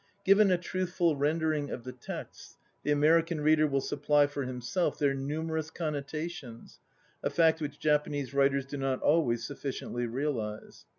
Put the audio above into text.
Given a truthful rendering of the texts the American reader will supply for himself their numerous connotations, a fact which Jap anese writers do not always sufficiently realize.